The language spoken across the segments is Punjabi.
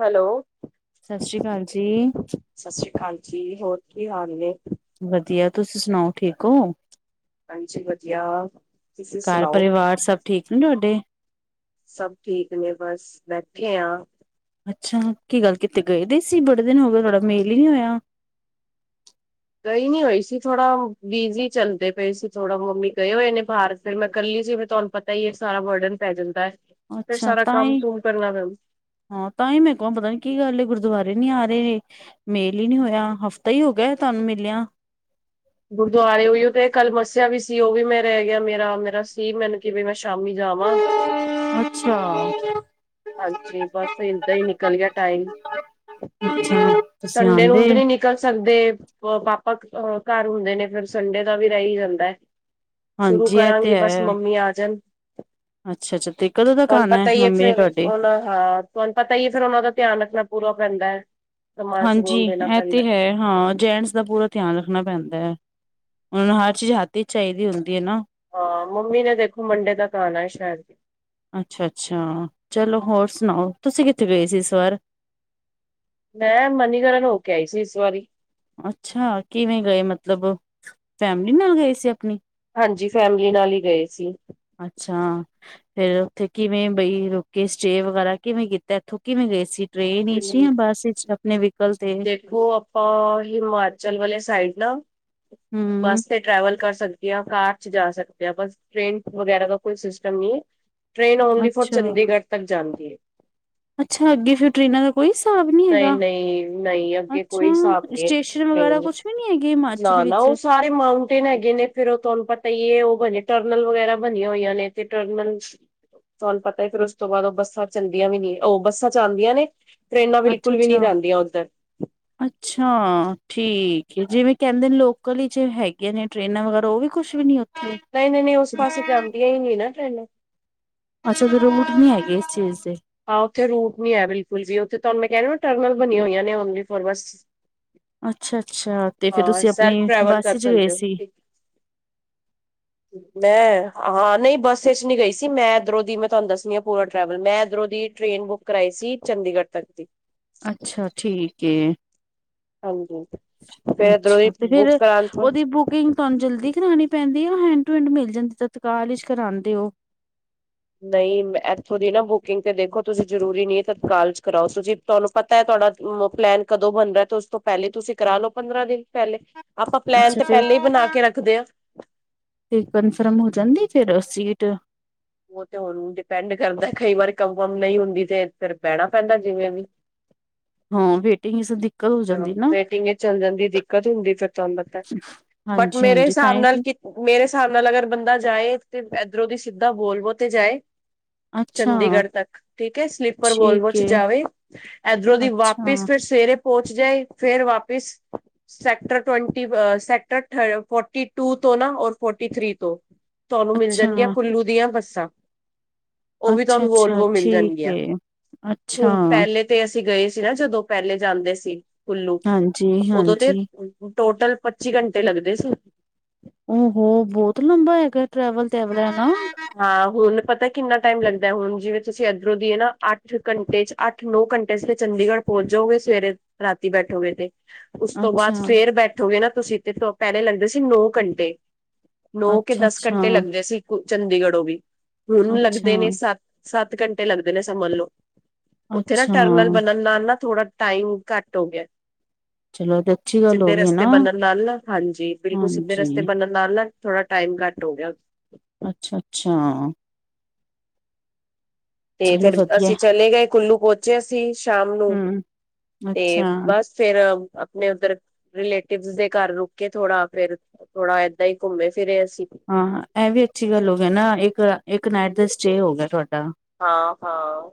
ਹੈਲੋ ਸਸਰੀ ਕਾਲ ਜੀ। ਸ਼ਾਸਰੀ ਕਾਲ ਜੀ ਹੋਰ ਕੀ ਹਾਲ ਨੇ। ਵਧੀਆ ਤੁਸੀਂ ਸੁਣਾਓ ਠੀਕ ਹੋ। ਹਾਂਜੀ ਵਧੀਆ ਤੁਸੀਂ ਘਰ ਸੁਣਾਓ। ਪਰਿਵਾਰ ਸਭ ਠੀਕ ਨੇ ਤਹਾਡੇ ਸਬ ਠੀਕ ਨੇ ਬਸ ਬੈਠੇ ਆਂ। ਅੱਛਾ, ਕੀ ਗੱਲ ਕਿਤੇ ਗਏ ਹੋਏ ਸੀ ਬੜੇ ਦਿਨ ਹੋ ਗਏ ਤੋਹਾਡਾ ਮੇਲ ਹੀ ਨੀ ਹੋਇਆ। ਗਈ ਨੀ ਹੋਈ ਸੀ ਥੋੜਾ ਬਿਜੀ ਚੱਲਦੇ ਪਏ ਸੀ ਥੋੜਾ ਮੰਮੀ ਗਏ ਹੋਏ ਨੇ ਬਾਹਰ। ਫਿਰ ਮੈਂ ਕੱਲੀ ਸੀ ਫੇਰ ਤੁਹਾਨੂੰ ਪਤਾ ਹੀ ਇਹ ਸਾਰਾ ਬਰਡਨ ਪੈ ਜਾਂਦਾ। ਫਿਰ ਅੱਛਾ ਸਾਰਾ ਤਾ ਕੰਮ ਈ ਕੁਮ ਕਰਨਾ ਪੈਂਦਾ। ਹਾਂ ਤਾਂ ਹੀ ਮੈਂ ਕਵਾ ਪਤਾ ਨੀ ਕੀ ਗੱਲ ਏ ਗੁਰਦੁਆਰੇ ਨੀ ਆ ਰਹੇ। ਮੇਲ ਹੀ ਨੀ ਹੋਇਆ ਹਫ਼ਤਾ ਹੋ ਗਿਆ ਤੁਹਾਨੂੰ ਮਿਲਿਆ। ਗੁਰਦੁਆਰੇ ਔਈਔ ਤੇ ਕੱਲ ਮੱਸਿਆ ਵੀ ਸੀ ਉਹ ਵੀ ਮੈਂ ਰੈ ਗਿਆ ਮੇਰਾ, ਮੇਰਾ ਸੀ ਮੈਨ ਕਿ ਮੈਂ ਸ਼ਾਮੀ ਜਾਵਾਂ। [unintelligible] ਅੱਛਾ ਹਾਂਜੀ ਬਸ ਏਦਾਂ ਹੀ ਨਿਕਲ ਗਿਆ ਟਾਈਮ ਅੱਛਾ ਤੁਸੀਂ ਸੰਡੇ ਆਉਂਦੇ ਨੂੰਜ ਓਂਝ ਨੀ ਕੱਲ ਸਕਦੇ ਪਾਪਾ ਕਰ ਹੁੰਦੇ ਨੇ ਫਿਰ ਸੰਡੇ ਦਾ ਵੀ ਰੈ ਈ ਜਾਂਦਾ। ਸ਼ੁਰੂ ਹਾਂਜੀ ਇਹ ਕਰਾਂਗੀ ਬਸ ਮੰਮੀ ਆ ਜਨ। ਅੱਛਾ-ਅੱਛਾ ਤੇ ਕਦੋਂ ਤੱਕ ਆਣਾ ਮੰਮੀ ਨੇ ਤੁਹਾਡੀ। ਹੁਣ ਹਾਂ ਤੁਹਾਨੂੰ ਪਤਾ ਹੀ ਫਿਰ ਉਨਾਂ ਦਾ ਧਿਆਨ ਰੱਖਣਾ ਪੂਰਾ ਪੈਂਦਾ। ਸਮਾਨ ਹਾਂਜੀ ਸਮੂਨ ਦੇਣਾ ਐ ਪੈਂਦਾ ਤੇ ਹੈ ਹਾਂ ਜੈਂਟਸ ਦਾ ਪੂਰਾ ਧਿਆਨ ਰੱਖਣਾ ਪੈਂਦਾ ਊਨੂੰ ਹਰ ਚੀਜ਼ ਹੱਥ ਵਿੱਚ ਚਾਹੀਦੀ ਹੁੰਦੀ ਹੈ ਨਾ। ਹਾਂ ਮੰਮੀ ਨੇ ਦੇਖੋ ਮੰਡੇ ਦਾ ਆਨਾਏ ਸ਼ੇਦ। ਅੱਛਾ-ਅੱਛਾ, ਚਲੋ ਹੋਰ ਸੁਣਾਓ, ਤੁਸੀਂ ਕਿੱਥੇ ਗਏ ਸੀ ਇਸ ਵਾਰ? ਮੈਂ ਮਨੀਕਰਨ ਹੋ ਕੇ ਆਈ ਸੀ ਇਸ ਵਾਰੀ। ਅੱਛਾ, ਕਿਵੇਂ ਗਏ ਮਤਲਬ ਫੈਮਿਲੀ ਨਾਲ ਗਏ ਸੀ ਆਪਣੀ। ਹਾਂਜੀ ਫੈਮਲੀ ਨਾਲ ਹੀ ਗਏ ਸੀ। ਅੱਛਾ। ਫੇਰ ਉੱਥੇ ਕਿਵੇਂ ਬਈ ਰੁਕੇ ਸਟੇਅ ਵਗੈਰਾ ਕਿਵੇਂ ਕੀਤਾ ਇੱਥੋਂ ਕਿਵੇਂ ਗਏ ਸੀ। ਟ੍ਰੇਨ ਵਿਚ ਜਾਂ ਬੱਸ ਵਿਚ? ਆਪਣੇ ਵਹੀਕਲ ਤੇ ਦੇਖੋ ਆਪਾਂ ਹਿਮਾਚਲ ਵਾਲੇ ਸਾਈਡ ਨਾ ਹੂੰ, ਬੱਸ ਤੇ ਟਰੈਵਿਲ ਕਰ ਸਕਦੇ ਆ, ਕਾਰ ਚ ਜਾ ਸਕਦੇ ਹਾਂ, ਬਸ ਟ੍ਰੇਨ ਵਗੈਰਾ ਦਾ ਕੋਈ ਸਿਸਟਮ ਨੀ ਐ। ਟ੍ਰੇਨ ਓਨਲੀ ਫੋਰ ਅੱਛਾ। ਚੰਡੀਗੜ੍ਹ ਤੱਕ ਜਾਂਦੀ ਏਂ। ਅੱਛਾ ਅੱਗੇ ਫਿਰ ਟ੍ਰੇਨਾ ਕੋਈ ਹਿਸਾਬ ਨੀ ਨਹੀਂ- ਹੈਗਾ, ਨਹੀਂ, ਨਹੀਂ ਅੱਗੇ ਕੋਈ ਅੱਛਾ ਹਿਸਾਬ ਨਹੀਂ ਸਟੇਸ਼ਨ ਵਗੈਰਾ ਟ੍ਰੇਨ ਕੁਛ ਨੀ ਹੈਗੇ ਹਿਮਾਚਲ ਨਾ- ਵਿੱ ਉਹ ਸਾਰੇ ਮਾਊਂਟੇਨ ਹੈਗੇ ਨੇ ਫਿਰ ਉਹ ਤੁਹਾਨੂੰ ਪਤਾ ਈ ਏ ਉਹ ਬਣੇ ਟਰਨਲ ਵਗੈਰਾ ਬਣੀਆਂ ਹੋਈਆਂ ਨੇ ਤੇ ਟਰਨਲ ਤੁਹਾਨੂੰ ਪਤਾ ਫਿਰ ਉਸ ਤੋਂ ਬਾਦ ਉਹ ਬੱਸਾਂ ਚੱਲਦੀਆਂ ਵੀ ਨੀ, ਉਹ ਬੱਸਾਂ ਜਾਂਦੀਆ ਨੇ ਟਰੇਨਾ ਅੱਛਾ-ਅੱਛਾ। [inaudible] ਅੱਛਾ ਠੀਕ ਏ ਜਿਵੇਂ ਕੇਭਦੇ ਨੇ ਲੋਕਲ ਇਚ ਹੈਗੀਆਂ ਨੇ ਟ੍ਰੇਨਾਂ ਵਗੈਰਾ, ਉਹ ਵੀ ਕੁਛ ਵੀ ਨੀ ਉੱਥੇ? ਨਈ-ਨਈ, ਨਈ ਉਸ ਪਾਸੇ ਜਾਂਦੀਆਂ ਈ ਨਾ ਟ੍ਰੇਨਾ। ਅੱਛਾ ਫਿਰ ਉਹ ਰੂਟ ਨੀ ਹੈਗੇ ਇਸ ਚੀਜ਼ ਦੇ। ਹਾਂ, ਉੱਥੇ ਰੂਟ ਨੀ ਹੈ ਬਿਲਕੁਲ ਵੀ, ਉੱਥੇ ਤੁਹਾਨੂੰ ਮੈਂ ਕੈ ਰੂਈ ਟਰਨਲ ਹੋਈਆਂ ਨੇ ਓਨਲੀ ਫੋਰ ਬੱਸ। ਅੱਛਾ ਅੱਛਾ ਤੇ ਫਿਰ ਹਾ, ਤੁਸੀਂ ਆਪਣੀ ਸੈਲਫ ਟਰੈਵਲ ਬੱਸ ਕਰ ਚ ਗਏ ਸਕਦੇ ਸੀ ਹੋ। [inaudible] ਮੈਂ ਹਾਂ ਨਈ ਬੱਸਾਂ ਇਚ ਨੀ ਗਈ ਸੀ, ਮੈਂ ਇਧਰੋਂ ਦੀ ਮੈਂ ਤੁਹਾਨੂੰ ਦੱਸਦੀ ਹਾ ਪੂਰਾ ਟਰੈਵਲ, ਮੈਂ ਇੱਧਰੋਂ ਦੀ ਦੀ ਟ੍ਰੇਨ ਬੁੱਕ ਕਰਾਈ ਸੀ ਚੰਡੀਗੜ੍ਹ ਤੱਕ। ਅੱਛਾ ਠੀਕ ਏ। ਹਾਂਜੀ ਫੇਰ ਇੱਧਰੋਂ ਦੀ ਅੱਛਾ ਤੇ ਫਿਰ ਬੁੱਕ ਕਰਾਉਣ ਤੋਂ ਔਦੀ ਬੁੱਕ ਕਿੰਗ ਤੁਹਾਨੂੰ ਜਲਦੀ ਕਰਾਉਣੀ ਪੈਂਦੀ ਐ ਯਾ ਹੈਂਡ ਟੂ ਹੈਂਡ ਮਿਲ ਜਾਂਦੀ ਤਤਕਾਲ ਵਿੱਚ ਕਰਾਭਦੇ ਔ। ਨਈ ਇੱਥੋਂ ਦੀ ਨਾ ਬੁਕਿੰਗ ਤੇ ਦੇਖੋ ਤੁਸੀਂ ਜਰੂਰੀ ਨੀ ਤਤਕਾਲ ਚ ਕਰਾਓ ਤੁਸੀਂ ਤੁਹਾਨੂੰ ਪਤਾ ਹੈ ਤੁਹਾਡਾ ਪਲੈਨ ਕਦੋਂ ਬਣਦਾ ਤੇ ਉਸ ਤੋਂ ਪੈਲੇ ਤੁਸੀਂ ਕਰਾਲੋੋ ਪੰਦਰਾਂ ਦਿਨ ਪੈਲੇ। ਆਪਾਂ ਪਲੈਨ ਅੱਛਾ ਤੇ ਫਿਰ ਪੈਲੇ ਈ ਬਣਾ ਕੇ ਰੱਖਦੇ ਆ। ਤੇ ਕਨਫਰਮ ਹੋ ਜਾਂਦੀ ਫੇਰ ਸੀਟ। ਉਹ ਤੇ ਹੁਣ ਡਿਪੈਂਡ ਕਰਦਾ ਕਈ ਵਾਰੀ ਕੰਮ ਬਮ ਨਹੀਂ ਹੁੰਦੀ ਤੇ ਫੇਰ ਬਹਿਣਾ ਪੈਂਦਾ ਜਿਵੇਂ ਵੀ। ਹੁਣ ਵੇਟਿੰਗ ਸਿੱਧੀ ਵੇਟਿੰਗ ਵਿੱਚ ਚੱਲ ਜਾਂਦੀ ਦਿੱਕਤ ਹੁੰਦੀ ਫਿਰ ਤੁਹਾਨੂੰ ਪਤਾ, ਬਟ ਹਾਂਜੀ ਮੇਰੇ ਹਾਂਜੀ ਹਿਸਾਬ ਤਾਂਹੀ ਨਾਲ ਤੇ ਕਿ ਮੇਰੇ ਹਿਸਾਬ ਨਾਲ ਅਗਰ ਬੰਦਾ ਜਾਏ ਤੇ ਇਧਰੋਂ ਦੀ ਸਿੱਧਾ ਬੋਲਵੋ ਤੇ ਜਾਏ‌। ਅੱਛਾ ਚੰਡੀਗੜ੍ਹ ਤੱਕ ਠੀਕ ਹੈ ਸਲੀਪਰ ਠੀਕ ਬੋਲਮੋਚ ਏ ਜਾਵੇ। ਇਧਰੋਂ ਦੀ ਵਾਪਿਸ ਅੱਛਾ ਫਿਰ ਸਵੇਰੇ ਪਹੁੰਚ ਜਾਏ, ਫਿਰ ਵਾਪਿਸ ਸੈਕਟਰ ਟਵੈਂਟੀ ਬ ਸੈਕਟਰ ਥ ਫੋਰਟੀ ਟੂ ਤੋਂ ਨਾ ਔਰ ਫੋਰਟੀ ਥ੍ਰਰੀ ਤੋਂ ਤੁਹਾਨੂੰ ਮਿਲ ਅੱਛਾ ਜਾਣਗੀਆਂ ਕੁੱਲੂ ਦੀਆਂ ਬੱਸਾਂ। ਉਹ ਵੀ ਅੱਛਾ ਤੁਹਾਨੂੰ ਅੱਛਾ ਵੋਲਵੋ ਮਿਲ ਠੀਕ ਜਾਣਗੀਆਂ। ਏ ਅੱਛਾ ਹੁਣ ਪਹਿਲੇ ਤੇ ਅਸੀਂ ਗਏ ਸੀ ਨਾ ਜਦੋਂ ਪਹਿਲੇ ਜਾਂਦੇ ਸੀ ਕੁੱਲੂ ਹਾਂਜੀ ਉਦੋਂ ਤੇ ਹਾਂਜੀ ਟੋਟਲ ਪੱਚੀ ਘੰਟੇ ਲੱਗਦੇ ਸੀ। ਉਹ ਹੋ ਬਹੁਤ ਲੰਬਾ ਹੈਗਾ ਟਰੈਵਲ ਤੇ ਇਹ ਵਾਲਾ ਹੈਨਾ। ਹਾਂ, ਹੁਣ ਪਤਾ ਕਿੰਨਾ ਟਾਈਮ ਲੱਗਦੈ, ਹੁਣ ਜਿਵੇਂ ਤੁਸੀਂ ਇੱਧਰੋਂ ਦੀ ਨਾ ਅੱਠ ਘੰਟੇ ਚ ਅੱਠ-ਨੌ ਘੰਟੇ ਚ ਫਿਰ ਚੰਡੀਗੜ੍ਹ ਪਹੁੰਚ ਜਾਓਗੇ ਸਵੇਰੇ, ਰਾਤੀ ਬੈਠੋਗੇ ਤੇ। ਉਸ ਤੋਂ ਅੱਛਾ ਬਾਅਦ ਫੇਰ ਬੈਠੋਗੇ ਨਾ ਤੁਸੀਂ ਤੇ ਪਹਿਲੇ ਲੱਗਦੇ ਸੀ ਨੌ ਘੰਟੇ। ਨੌ ਕੇ ਅੱਛਾ ਦਸ ਘੰਟੇ ਅੱਛਾ ਲੱਗਦੇ ਸੀ। ਚੰਡੀਗੜ੍ਹ ਉਹ ਵੀ‌। ਹੁਣ ਅੱਛਾ ਲੱਗਦੇ ਨੇ ਸੱਤ- ਸੱਤ ਘੰਟੇ ਲੱਗਦੇ ਨੇ ਸਮਝ ਲਓ। ਉੱਥੇ ਨਾ ਅੱਛਾ ਟਰਨਲ ਬਣਨ ਨਾਲ ਨਾ ਥੋੜਾ ਟਾਈਮ ਘੱਟ ਹੋ ਗਿਆ। ਚਲੋ ਤੇ ਅੱਛੀ ਗੱਲ ਹੋ ਸਿੱਧੇ ਗਈ ਨਾ ਰਸਤੇ ਬਣਨ ਨਾਲ ਨਾ, ਹਾਂਜੀ ਬਿਲਕੁਲ ਸਿੱਧੇ ਰਸਤੇ ਹਾਂਜੀ ਬਣਨ ਨਾਲ ਨਾ ਥੋੜਾ ਟਾਈਮ ਘੱਟ ਹੋ ਗਿਆ। ਅੱਛਾ-ਅੱਛਾ। ਤੇ ਚਲੋ ਫਿਰ ਵਧੀਆ ਅਸੀਂ ਚਲੇ ਗਏ ਕੁੱਲੂ ਪਹੁੰਚੇ ਅਸੀਂ ਸ਼ਾਮ ਨੂੰ ਹਮ ਤੇ ਅੱਛਾ ਬਸ ਫਿਰ ਆਪਣੇ ਉੱਧਰ ਰਿਲੇਟਿਵ ਦੇ ਘਰ ਰੁਕੇ ਥੋੜਾ ਫਿਰ ਥੋੜਾ ਏਦਾਂ ਹੀ ਘੁੰਮੇ ਫਿਰੇ ਅਸੀਂ। ਹਾਂ ਇਹ ਵੀ ਅੱਛੀ ਗੱਲ ਹੋ ਗਿਆ ਨਾ ਇੱਕ-ਇੱਕ ਨਾਈਟ ਦਾ ਸਟੇਅ ਹੋ ਗਿਆ ਤੁਹਾਡਾ। ਹਾਂ-ਹਾਂ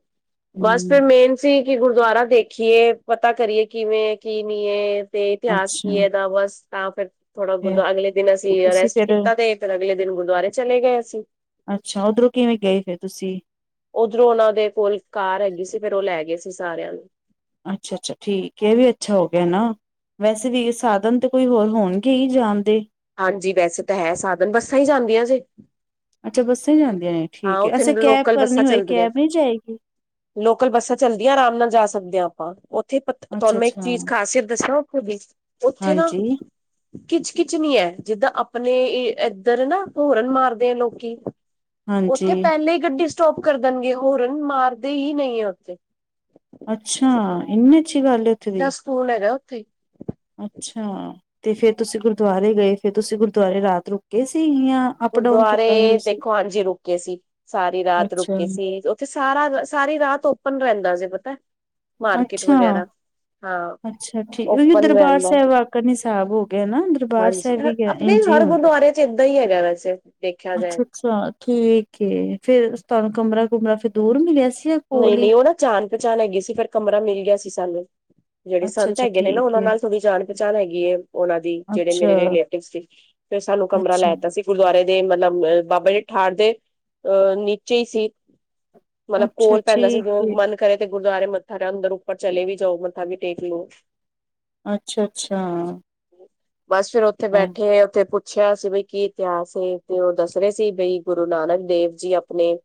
ਬਸ ਹਮ ਫਿਰ ਮੇਨ ਸੀਂ ਕਿ ਗੁਰਦੁਆਰਾ ਦੇਖੀਏ ਪਤਾ ਕਰੀਏ ਕਿਵੇਂ ਹੈ ਕਿ ਨੀ ਐ। ਤੇ ਇਤਿਹਾਸ ਅੱਛਾ ਕੀਏ ਇਹਦਾ ਬਸ ਤਾਂ ਫਿਰ ਥੋੜਾ ਫੇਰ ਅਗਲੇ ਦਿਨ ਅਸੀਂ ਤੁਸੀਂ ਰੈਸਟ ਫੇਰ ਕੀਤਾ ਤੇ ਫਿਰ ਅਗਲੇ ਦਿਨ ਗੁਰਦੁਆਰੇ ਚਲੇ ਗਏ ਅਸੀ। ਅੱਛਾ ਉੱਧਰੋਂ ਕਿਵੇਂ ਗਏ ਫਿਰ ਤੁਸੀਂ? ਉਧਰੋਂ ਉਹਨਾਂ ਦੇ ਕੋਲ ਕਾਰ ਹੈਗੀ ਸੀ ਫਿਰ ਉਹ ਲੈ ਗਏ ਸੀ ਸਾਰਿਆਂ ਨੂੰ। ਅੱਛਾ- ਅੱਛਾ ਠੀਕ ਹੈ, ਇਹ ਵੀ ਅੱਛਾ ਹੋ ਗਿਆ ਹੈ ਨਾ। ਵੈਸੇ ਵੀ ਸਾਧਨ ਤੇ ਕੋਈ ਹੋਰ ਹੋਣਗੇ ਈ ਜਾਣ ਦੇ। ਹਾਂਜੀ ਵੈਸੇ ਤਾਂ ਹੈ ਸਾਧਨ ਬੱਸਾਂ ਈ ਜਾਂਦੀਆਂ ਜੇ। ਅੱਛਾ ਬੱਸਾਂ ਜਾਂਦੀਆਂ ਨੇ ਹਾਂ ਠੀਕ ਹੈ, ਉੱਥੇ ਅੱਸੀੇ ਕੈਬ ਲੋਕਲ ਕਰਨੀ ਬੱਸਾਂ ਹੋਏ ਚੱਲਦੀਆਂ ਕੈਬ ਨਹੀਂ ਜਾਏਗੀ। ਲੋਕਲ ਬੱਸਾਂ ਚੱਲਦੀਆਂ ਆਰਾਮ ਨਾਲ ਜਾ ਸਕਦੇ ਆ ਆਪਾਂ। ਹਾਂ ਉੱਥੇ ਪ ਅੱਛਾ ਤੁਹਾਨੂੰ ਇੱਕ ਅੱਛਾ ਚੀਜ਼ ਖ਼ਾਸੀਅਤ ਦੱਸਿਆ ਉੱਥੇ ਦੀ ਉੱਥੇ ਨਾ ਹਾਂਜੀ ਕਿੱਚ-ਕਿੱਚ ਨਹੀਂ ਹੈ, ਜਿੱਦਾਂ ਆਪਣੇ ਇੱਧਰ ਨਾ ਹੌਰਨ ਮਾਰਦੇ ਆ ਲੋਕੀ ਹਾਂਜੀ ਉੱਥੇ ਪਹਿਲੇ ਹੀ ਗੱਡੀ ਸਟੋਪ ਕਰ ਦੇਣਗੇ। ਹੋਰਨ ਮਾਰਦੇ ਹੀ ਨਹੀਂ ਐ ਉੱਥੇ। ਅੱਛਾ ਇੰਨੀ ਅੱਛੀ ਗੱਲ ਐ ਉੱਥੇ ਦੀ। ਫੌਨ ਹੈਗਾ ਉੱਥੇ ਅੱਛਾ ਤੇ ਫੇਰ ਤੁਸੀਂ ਗੁਰਦੁਆਰੇ ਗਏ, ਫੇਰ ਤੁਸੀਂ ਗੁਰਦੁਆਰੇ ਰਾਤ ਰੁੱਕ ਗਏ ਸੀ ਜ਼ਾ ਗੁਰਦੁਆਰੇ ਦੇਖੋ ਹਾਂਜੀ ਰੁਕੇ ਸੀ, ਸਾਰੀ ਰਾਤ ਅੱਛਾ ਰੁਕੇ ਗਏ ਸੀ ਤੇ ਸਾਰਾ ਸਾਰੀ ਰਾਤ ਓਪਨ ਰਹਿੰਦਾ ਜੇ ਪਤਾਏ। ਅੱਛਾ-ਅੱਛਾ ਠੀਕ ਉਹੀ ਓਪਨ ਦਰਬਾਰ ਰਹਿੰਦਾ ਸਾਹਿਬ ਵਾਕਨ ਹੀ ਸਾਹਿਬ ਹੋ ਗਏ ਨਾ ਦਰਬਾਰ ਸਾਹਿਬ ਵੀ ਇੰਝ ਈ ਹੁੰਦਾ ਇੱਦਾਂ ਈ ਹੈਗਾ ਵੈਸੇ ਦੇਖਿਆ ਜਾਏ ਅੱਛਾ ਅੱਛਾ ਠੀਕ ਏ ਫੇਰ ਤਾਨੂੰ ਕਮਰਾ ਕੁਮਰਾ ਫੇਰ ਦੂਰ ਮਿਲਿਆ ਸੀ ਜਾ ਨਈ-ਨਈ ਓ ਨਾ ਜਾਣ ਪਹਿਚਾਣ ਹੈਗੀ ਸੀ ਫਿਰ ਕਮਰਾ ਮਿਲ ਗਿਆ ਸੀ ਸਾਨੂੰ ਜੇੜੇ ਅੱਛਾ ਸੰਤ ਅੱਛਾ ਹੈਗੇ ਨੇ ਨਾ ਠੀਕ ਓਨਾਂ ਏ ਨਾਲ ਥੋੜ੍ਹੀ ਜਾਣ ਪਹਿਚਾਣ ਹੈਗੀ ਏ ਓਨਾਂ ਦੀ ਜੇੜੇ ਮੇਰੇ ਅੱਛਾ ਰਲੇਟਿਵ ਸੀ। ਫੇਰ ਸਾਨੂੰ ਕਮਰਾ ਅੱਛਾ ਲੈਤਾ ਸੀ ਗੁਰਦੁਆਰੇ ਦੇ ਮਤਲਬ ਬਾਬਾ ਜੀ ਠਾਰ ਦੇ ਅ ਨੀਚੇ ਈ ਸੀ। ਮਤਲਬ ਅੱਛਾ ਕੋਲ ਪੈਂਦਾ ਸੀ ਠੀਕ ਏ, ਮਨ ਕਰੇ ਤੇ ਗੁਰਦੁਆਰੇ ਮੱਥਾ ਅੰਦਰ ਓਪਰ ਚਲੇ ਵੀ ਜਾਓ ਮੱਥਾ ਵੀ ਟੇਕ ਲੋ ਅੱਛਾ ਅੱਛਾ ਬਸ ਫੇਰ ਓਥੇ ਬੈਠੇ ਓਥੇ ਪੁ ਛਿਆ ਸੀ ਬੀ ਕੀ ਇਤਿਹਾਸ ਐ ਤੇ ਓ ਦੱਸ ਰੇ ਸੀ ਬਈ ਗੁਰੂ ਨਾਨਕ ਦੇਵ ਜੀ ਆਪਣੇ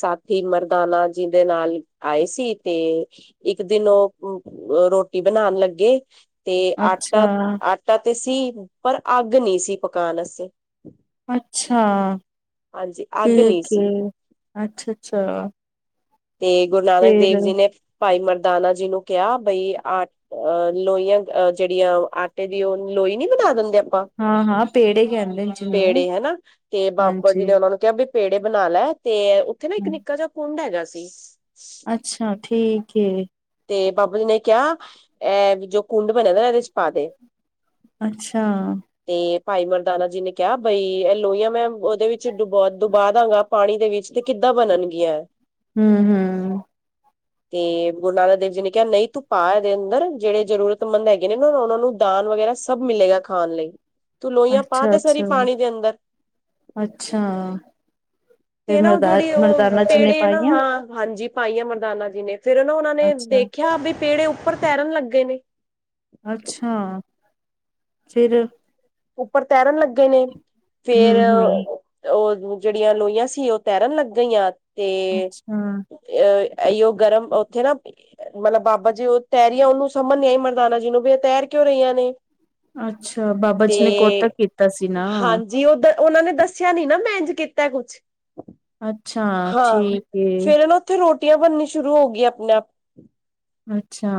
ਸਾਥੀ ਮਰਦਾਨਾ ਜੀ ਦੇ ਨਾਲ ਆਏ ਸੀ ਤੇ ਇੱਕ ਦਿਨ ਓ ਰੋਟੀ ਬਣਾਣ ਲੱਗੇ ਤੇ ਅੱਛਾ, ਆਟਾ ਆਟਾ ਤੇ ਸੀ ਪਰ ਅੱਗ ਨੀ ਸੀ ਪਕਾਣ ਵਸਤੇ ਅੱਛਾ ਹਾਂਜੀ ਅੱਗ ਨਹੀਂ ਠੀਕ ਏ ਸੀ ਅੱਛਾ ਅੱਛਾ ਤੇ ਗੁਰੂ ਨਾਨਕ ਦੇਵ ਜੀ ਨੇ ਭਾਈ ਮਰਦਾਨਾ ਜੀ ਨੂੰ ਕਿਆ ਬਈ ਆ ਅ ਲੋਈਆਂ ਅ ਜੇੜੀਆਂ ਆਟੇ ਦੀ ਓ ਲੋਈ ਨੀ ਬਣਾ ਦਿੰਦੇ ਆ ਪਾ ਹਾਂ-ਹਾਂ ਪੇੜੇ ਕਹਿੰਦੇ ਨੇ ਜਿਹਨੂੰ ਪੇੜੇ ਹਨਾ ਤੇ ਬਾਬਾ ਜੀ ਹਾਂਜੀ, ਨੇ ਓਨਾ ਨੂੰ ਕਿਆ ਵੀ ਪ ਪੇੜੇ ਬਣਾ ਲੈ ਤੇ ਉੱਥੇ ਨਾ ਇੱਕ ਹੂੰ, ਨਿੱਕਾ ਜੇਹਾ ਕੁੰਡ ਹੈਗਾ ਸੀ ਅੱਛਾ ਠੀਕ ਏ। ਤੇ ਬਾਬਾ ਜੀ ਨੇ ਕਿਆ ਐ ਜੋ ਕੁੰਡ ਬਣਿਆ ਦਾ ਏਦੇ ਚ ਪਾ ਦੇ ਅੱਛਾ ਤੇ ਭਾਈ ਮਰਦਾਨਾ ਜੀ ਨੇ ਕਿਆ ਬਈ ਐ ਲੋਈਆਂ ਮੈਂ ਓਦੇ ਵਿੱਚ ਡੁੱਬੋ ਡੁਬਾ ਦਾਗਾ। ਪਾਣੀ ਦੇ ਵਿੱਚ ਤੇ ਕਿੱਦਾਂ ਬਣਨਗੀਆਂ ਐ ਹੂੰ ਹੂੰ ਤੇ ਗੁਰੂ ਨਾਨਕ ਦੇਵ ਜੀ ਨੇ ਕਿਆ ਨਈ ਤੂੰ ਪਾ ਐਦੇ ਅੰਦਰ ਜੇੜੇ ਜ਼ਰੂਰਤਮੰਦ ਹੈਗੇ ਨੇ ਨਾ ਓਨਾਂ ਨੂੰ ਦਾਨ ਵਗੈਰਾ ਸ ਸਭ ਮਿਲੇਗਾ ਖਾਣ ਲਈ ਤੂੰ ਲੋਈਆਂ ਪਾ ਤੇ ਸਾਰੀ ਅੱਛਾ-ਅੱਛਾ, ਪਾਣੀ ਦੇ ਅੰਦਰ ਅੱਛਾ ਤੇ ਫੇਰ ਨਾ ਓ ਮਰਦਾ ਜੇੜੀ ਓ ਮਰਦਾਨਾ ਜੀ ਨੇ ਪੇੜੇ ਨਾ ਪਾਈਆਂ, ਹਾਂ ਹਾਂਜੀ ਪਾਈਆ ਮਰਦਾਨਾ ਜੀ ਨੇ ਫੇਰ ਨਾ ਓਨਾਂ ਨੇ ਅੱਛਾ, ਦੇਖਿਆ ਬੀ ਪੇੜੇ ਉੱਪਰ ਤੈਰਨ ਲੱਗੇ ਨੇ ਅੱਛਾ ਫਿਰ ਉੱਪਰ ਤੈਰਨ ਲੱਗੇ ਨੇ ਫਿਰ ਹੂੰ-ਹੂੰ, ਅ ਓ ਜੇੜੀਆਂ ਲੋਈਆਂ ਸੀ ਓ ਤੈਰਨ ਲੱਗ ਗਈਆਂ ਤੇ ਅੱਛਾ, ਏ ਐਈਓ ਗਰਮ ਉੱਥੇ ਨਾ ਮਤਲਬ ਬਾਬਾ ਜੀ ਓ ਤੈਰੀਆਂ ਓਨੂੰ ਸਮਝ ਨੀ ਆਈ ਮਰਦਾਨਾ ਜੀ ਨੂੰ ਵੀ ਇਹ ਤੈਰ ਕਿਉਂ ਰਈਆਂ ਨੇ ਅੱਛਾ ਬਾਬਾ ਜੀ ਕੋਤਕ ਕੀਤਾ ਸੀ ਨਾ ਜੀ ਉਦ ਓਨਾਂ ਨੇ ਦੱਸਿਆ ਨੀ ਨਾ ਮੈਂ ਇੰਝ ਕੀਤਾ ਕੁਛ ਅੱਛਾ ਹਾਂ ਠੀਕ ਏ, ਫੇਰ ਨਾ ਉੱਥੇ ਰੋਟੀਆਂ ਬਣਨੀ ਸ਼ੁਰੂ ਹੋ ਗਈ ਆਪਣੇ ਆਪ ਅੱਛਾ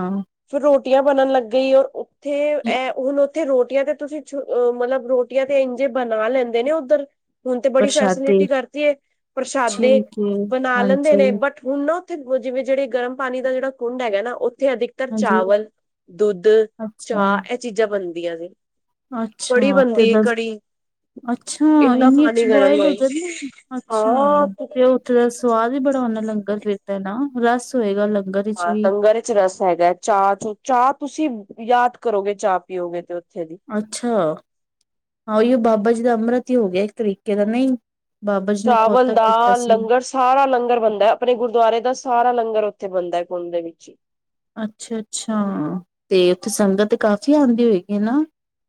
ਫਿਰ ਰੋਟੀਆਂ ਬਣਨ ਲੱਗ ਗਈਆਂ ਉੱਥੇ ਐ ਹੁਣ ਤੇ ਰੋਟੀਆਂ ਤੇ ਤੁਸੀਂ ਛ ਮਤਲਬ ਰੋਟੀਆਂ ਤੇ ਇੰਜੇ ਬਣਾ ਲੈਂਦੇ ਨੇ ਉੱਧਰ ਹੁਣ ਤੇ ਬੜੀ ਪ੍ਰਸ਼ਾਦੇ ਫੈਸਲਿਟੀ ਕਰਤੀ ਏ ਪਰਸਾਦੇ ਠੀਕ ਏ ਬਣਾ ਲੈਂਦੇ ਹਾਂਜੀ ਨੇ ਬਟ ਹੁਣ ਨਾ ਉੱਥੇ ਜੀਵੇ ਜੇੜੇ ਗਰਮ ਪਾਣੀ ਦਾ ਜੇੜਾ ਕੁੰਡ ਹੈਗਾ ਨਾ ਉੱਥੇ ਅਧਿਕ ਤਰ ਹਾਂਜੀ ਚਾਵਲ, ਦੁੱਧ, ਅੱਛਾ ਚਾਅ ਐ ਚੀਜ਼ਾਂ ਬਨਦੀਆਂ ਨੇ। ਕੜੀ ਅੱਛਾ, ਤੇ ਬਣਦੀ ਏ ਬਸ ਕੜੀ ਅੱਛਾ, ਇੰਨਾ ਇਨੀ ਏਚ ਪਾਣੀ ਗਰਮ ਬੋਏਲ ਹੋ ਹੋਈ ਜੱਨ, ਹਾਂ ਅੱਛਾ, ਤੇ ਓ ਓਥੇ ਦਾ ਸਵਾਦ ਵੀ ਬੜਾ ਹੁਨਾ ਲੰਗਰ ਫਿਰ ਤਾ ਨਾ, ਰਾੱਸ ਹੋਏਗਾ ਲੰਗਰ ਵਿੱਚ ਹਾਂ, ਵੀ ਲੰਗਰ ਵਿੱਚ ਰੱਸ ਹੈਗੈ, ਚਾਅ-ਚੂ, ਚਾਅ ਤੂਸੀ ਯਾਦ ਕਰੋਗੇ, ਚਾਅ ਪੀਓਗੇ ਤੇ ਓ ਅੱਛਾ, ਹਾਂ ਔਈਓ ਬਾਬਾ ਜੀ ਦਾ ਅੰਮ੍ਰਤ ਈ ਹੋ ਗੇਆ ਇੱਕ ਤਰੀਕੇ ਦਾ, ਨਈ। ਬਾਬਾ ਜੀ ਨੇ ਕੋੋਤਕ ਕੀਤਾ ਸੀ ਨਾ। ਸਾਰਾਂ ਲੰਗਰ ਬਣਦੈ, ਅਪਣਨੇ ਗੁਰਦੁਆਰੇ ਦਾ ਸਾਰਾ ਲੰਗਰ ਉੱਥੇ ਬਨਦੈ, ਕੁੰਡ ਦੇ ਵਿੱਚ ਈ। ਅੱਛਾ-ਅੱਛਾ, ਤੇ ਉਥੇ ਸੰਗਤ ਕਾਫੀ ਆਂਦੀ ਹੋਏਗੀ ਨਾ?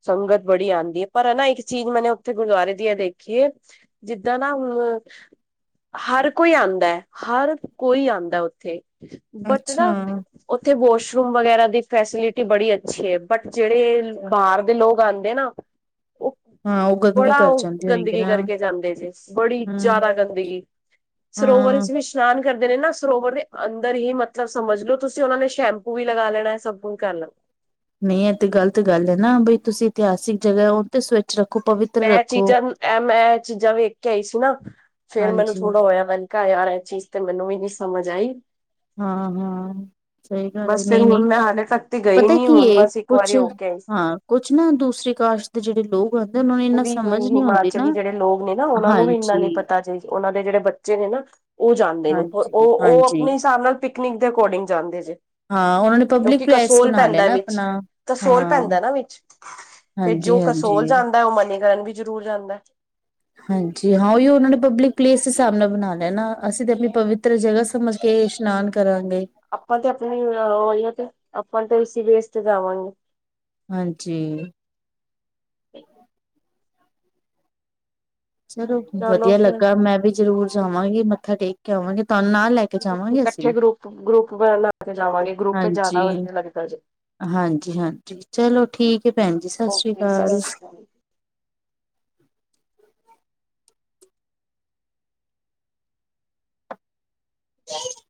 ਸੰਗਤ ਬੜੀ ਆਂਦੀ ਏ, ਪਰ ਐਨਾ ਇੱਕ ਚੀਜ ਮੈਨੇ ਉਥੇ ਗੁਰਦੁਆਰੇ ਦੀ ਐ ਦੇਖੀ ਏ ਜਿੱਦਾਂ ਨਾ ਹੁਨ ਹਰ ਕੋਈ ਆਂਦੈ, ਹਰ ਕੋਈ ਆਂਦੈ ਉਥੇ, ਬਟ ਅੱਛਾ ਨਾ ਓਥੇ ਵੋਸ਼ਰੂਮ ਵਗੇਰਾ ਦੀ ਫੈਸਿਲਿਟੀ ਬੜੀ ਅੱਛੀ ਏ, ਬਟ ਜੇੜੇ ਲ ਬਾਰ ਦੇ ਲੋਗ ਆਂਦੇ ਏ ਨਾ, ਓ ਹਾਂ ਉਹ ਗੰਦਗੀ ਬੜਾ ਕਰ ਓ ਜਾਂਦੇ ਹੋਏਗੇ ਗੰਦਗੀ ਨਾ ਕਰਕੇ ਜਾਂਦੇ ਜੇ, ਬੜੀ ਹਾਂ ਜਾਦਾ ਗੰਦਗੀ। ਸਰੋਵਰ ਹਾਂ ਚ ਇਸ਼ ਇਸ਼ਨਾਨ ਕਰਦੇ ਨੇ ਨਾ ਸਰੋਵਰ ਦੇ ਅੰਦਰ ਹੀ ਮਤਲਬ ਸਮਝ ਲੋ, ਤੂਸੀ ਓਨਾਂ ਨੇ ਸ਼ੈਂਪੂ ਵੀ ਲਗਾ ਲੈਣੈ ਸਬੁਨ ਕਾਰ ਲੈਣ। ਨਈ ਐ ਤੇ ਗਲਤ ਗਾੱਲ ਏ ਨਾ, ਬਈ ਤੂਸੀ ਇਤਿਹਾਸਿਕ ਜਗ੍ਹੈ, ਓ ਤੇ ਸ ਚ ਰਖੋ, ਪਵਿਤ ਮੈਂ ਚੀਜ਼ਾਂ ਨੂ ਐ, ਮੈਂ ਚੀਜ਼ਾਂ ਵੇਖ ਕੇ ਆਈ ਸੀ ਨਾ, ਫੇਰ ਮੈਨੂ ਹਾਂਜੀ ਥੋੜਾ ਹੋਏਆ ਮੈਨ ਕਾ ਯਾਰ ਐ ਚੀਜ ਤੇ ਮੈਨੂੰ ਵੀ ਨੀ ਸਮਝ ਆਈ। ਹਾਂ ਹਾਂ ਸਹੀ ਗੱਲ ਹੈ ਬੱਸ ਫੇਰ ਨਹੀਂ ਨਹੀਂ ਹੁਨ ਮੈਂ ਹਲੇ ਤਕ ਤੇ ਗਈ ਪਤਾ ਨੀ, ਕੀ ਹੁਨ ਹੈ ਬੱਸ ਇੱਕ ਇੱਕ ਕੁਛ ਵਾਰੀ ਹੋ ਕੇ ਆਈ ਸੀ। ਹਾਂ, ਕੁੱਛ ਨਾ ਦੂਸਰੀ ਕਾਸਟ ਦੇ ਜੇੜੇ ਲੋਕ ਹੋਂਦੇ, ਓਨਾਂ ਨੇ ਈ ਓਵੀ ਹੂਂਈ, ਹਿਮਾਚਲੀ ਜੇੜੇ ਲੋਗ ਨੇ ਨਾ, ਓਨਾਂ ਨੂੰ ਵੀ ਇੰਨਾ ਹਾਂਜੀ ਨੀ ਪਤਾ ਚੀਜ, ਓਨਾਂ ਦੇ ਜੇੜੇ ਬੱਚੇ ਨੇ ਨਾ ਓ ਜਾਂਦੇ ਨੇ, ਓ, ਓ, ਹਾਂਜੀ ਓ ਹਾਂਜੀ ਅਪਨੇ ਹਿਸਾਬ ਨਾਲ ਪਿਕਨਿਕ ਦੇ ਅਕੋਰਡਿੰਗ ਜਾਂਦੇ ਜੇ। ਹਾਂ ਉਹਨਾਂ ਨੇ ਪਬਲਿਕ ਕਿਉਂਕਿ ਪਲੇਸ ਕਸੋਲ ਬਣਾ ਲਿਆ ਪੈਂਦੈ ਨਾ ਵਿੱਚ, ਆਪਣਾ ਕਸੋਲ ਹਾਂ ਪੈਂਦੈ ਨਾ ਵਿੱਚ। ਫਿਰ ਜੋ ਹਾਂਜੀ ਹਾਂਜੀ ਕਸੋਲ ਜਾਂਦੈ, ਓ ਮਨੀਕਰਨ ਵੀ ਜਰੂਰ ਜਾਂਦੈ। ਹਾਂਜੀ, ਹਾਂ ਔਈਓ ਓਨਾਂ ਨੇ ਪਬਲਿਕ ਪਲੇਸ ਦੇ ਸਾਬ ਨਾਲ ਬਨਾ ਲੇਆ ਨਾ, ਅਸੀ ਤੇ ਅਪਨੀ ਪਵਿੱਤਰ ਜਗਾ ਸਮਜ ਕੇ ਇਸ਼ਨਾਨ ਕਰਾਂਗੇ। ਆਪਾਂ ਤੇ ਅਪਨੀ ਓਈਓ ਤੇ, ਆਪਾਂ ਤੇ ਉਸੀ ਵੇਸ ਤੇ ਜਾਵਾਂਗੇ। ਹਾਂਜੀ। ਚਲੋ ਵਦੀਆ ਲੱਗਾ, ਮੈਂ ਵੀ ਜਰੂਰ ਜਾਵਾਂਗੀ, ਮੱਥਾ ਟੇਕ ਕੇ ਆਵਾਂਗੀ, ਤੂਆਨ ਨਾਲ ਲੈ ਕੇ ਜਾਵਾਂਗੇ ਅਸੀਂ। ਇਕੱਠੇ ਗਰੁੱਪ ਗਰੁੱਪ [unintelligible] ਕੱਠੇ ਗਰੁੱਪ-ਗਰੁੱਪ ਬਨਾ ਕੇ ਜਾਵਾਂਗੇ, ਗਰੁੱਪ ਚ ਜਾਦਾ ਵਦੀਆ ਲੱਗਦਾ ਜੇ। ਹਾਂਜੀ-ਹਾਂਜੀ, ਚਲੋ ਠੀਕ ਐ ਭੈਨ ਜੀ, ਸਸ੍ਰੀ ਓਕੇ ਸਤਿ ਕਾਲ। ਸ਼੍ਰੀ ਅਕਾਲ। [inaudible]